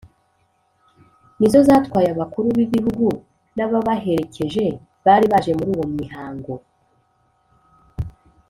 ni zo zatwaye abakuru b'ibihugu n'ababaherekeje bari baje muri uwo mihango.